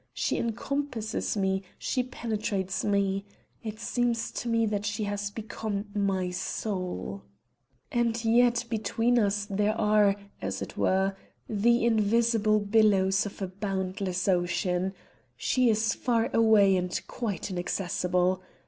She encompasses me, she penetrates me. It seems to me that she has become my soul! "And yet between us there are, as it were, the invisible billows of a boundless ocean! She is far away and quite inaccessible!